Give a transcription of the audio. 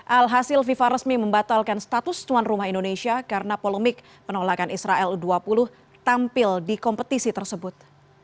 alhasil fifa resmi membatalkan status tuan rumah indonesia karena polemik penolakan israel u dua puluh tampil di kompetisi tersebut